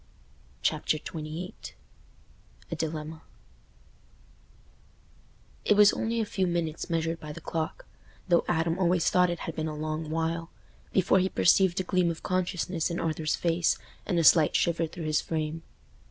Chapter XXVIII A Dilemma It was only a few minutes measured by the clock—though Adam always thought it had been a long while—before he perceived a gleam of consciousness in Arthur's face and a slight shiver through his frame.